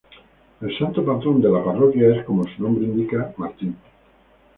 El santo patrón de la parroquia es, como su nombre indica, San Martín.